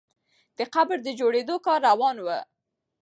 د قبر د جوړېدو کار روان وو.